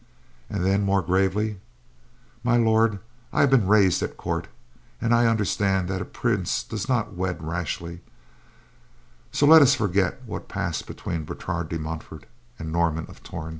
And then, more gravely, "My Lord, I have been raised at court, and I understand that a prince does not wed rashly, and so let us forget what passed between Bertrade de Montfort and Norman of Torn."